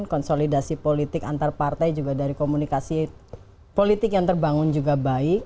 konsolidasi politik antar partai juga dari komunikasi politik yang terbangun juga baik